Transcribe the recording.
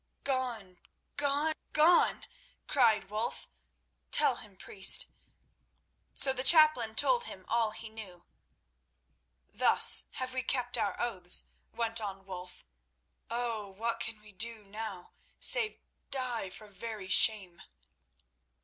"Gone! gone! gone!" cried Wulf. "Tell him, priest." So the chaplain told him all he knew. "Thus have we kept our oaths," went on Wulf. "Oh, what can we do now, save die for very shame?"